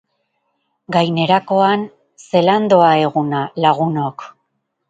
Gainerakoan... zelan doa eguna, lagunok?